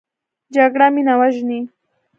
جګړه مینه وژني